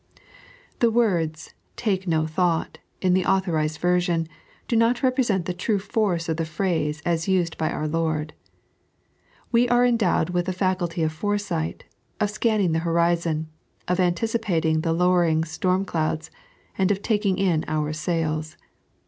The words " take no thought," in the Authorized Version, do not represent the true force of the phrase as used by our Lord. We are endowed with the faculty of foresight, of scanning the horizon, of anticipating the lowering storm clouds, and of taking in our sails.